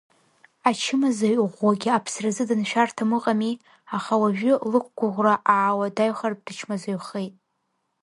Ачымазаҩ ӷәӷәагьы аԥсразы даншәарҭам ыҟами, аха уажәы лықәгәыӷра аауадаҩхартә дычмазаҩхеит.